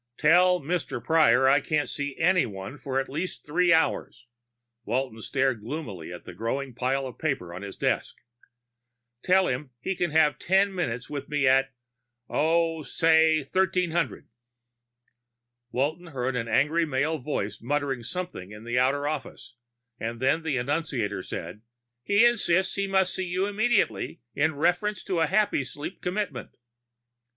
"Tell Mr. Prior I can't see anyone for at least three hours." Walton stared gloomily at the growing pile of paper on his desk. "Tell him he can have ten minutes with me at oh, say, 1300." Walton heard an angry male voice muttering something in the outer office, and then the annunciator said, "He insists he must see you immediately in reference to a Happysleep commitment."